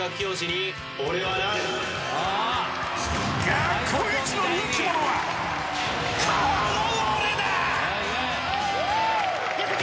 ［学校一の人気者はこの俺だ！］